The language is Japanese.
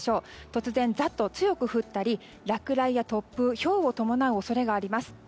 突然、ざっと強く降ったり落雷や突風、ひょうを伴う恐れがあります。